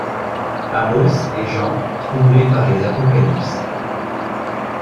Amos et Jean troublés par les apocalypses